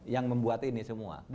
yang membuat ini semua